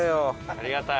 ありがたい。